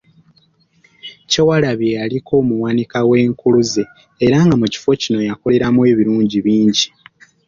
Kyewalabye yaliko omuwanika w’Enkuluze era nga mu kifo kino yakoleramu ebiringi bingi.